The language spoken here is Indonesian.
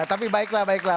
tapi baiklah baiklah